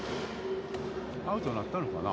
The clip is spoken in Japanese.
アウトになったのかな。